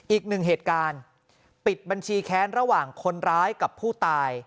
อีกหนึ่งเหตุการณ์ปิดบัญชีแค้นระหว่างคนร้ายกับผู้ตาย